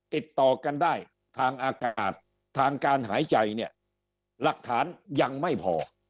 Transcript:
ติดต่อกันได้ทางอากาศทางการหายใจเนี่ยหลักฐานยังไม่พอ